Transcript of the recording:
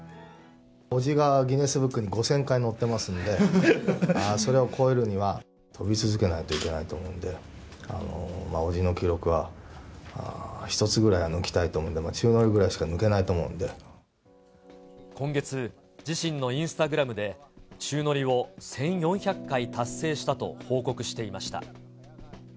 伯父がギネスブックに５０００回載ってますんで、それを超えるには、飛び続けないといけないと思うんで、伯父の記録は１つぐらいは抜きたいと思うんで、宙乗りぐらいしか今月、自身のインスタグラムで、宙乗りを１４００回達成したと報告していました。